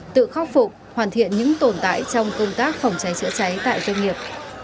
tự khắc phục hoàn thiện những tồn tại trong công tác phòng cháy chữa cháy tại doanh nghiệp